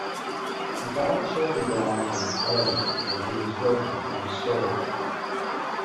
He died shortly thereafter in Oregon, where he was working on a score.